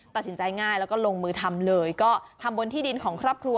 ตัดสินใจง่ายแล้วก็ลงมือทำเลยก็ทำบนที่ดินของครอบครัว